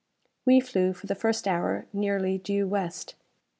We flew, for the first hour, nearly due west.